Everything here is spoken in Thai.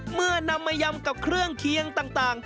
เมื่อนำมายำกับเครื่องเคียงต่าง